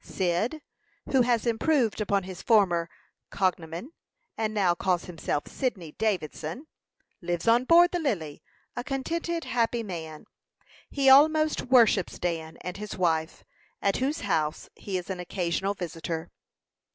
Cyd who has improved upon his former cognomen, and now calls himself Sidney Davidson lives on board the Lily, a contented, happy man. He almost worships Dan and his wife, at whose house he is an occasional visitor.